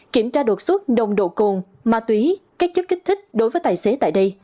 kiểm tra đột xuất nồng độ cồn ma túy các chất kích thích đối với tài xế tại đây